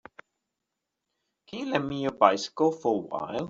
Can you lend me your bycicle for a while.